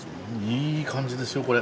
いい感じですよこれ。